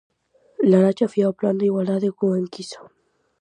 Laracha afía o plan de igualdade cunha enquisa.